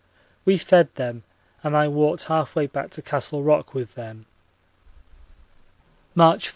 We fed them and I walked half way back to Castle Rock with them. March 4.